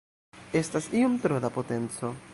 Estas iom tro da potenco.